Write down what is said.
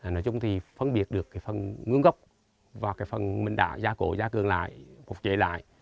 nói chung thì phân biệt được cái phân ngưỡng gốc và cái phân mình đã gia cổ gia cương lại phục trễ lại